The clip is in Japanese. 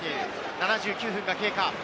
７９分が経過。